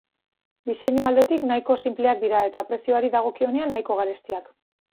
Diseinu aldetik nahiko sinpleak dira eta prezioari dagokionean nahiko garestiak.